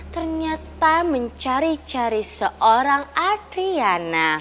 ternyata mencari cari seorang akriana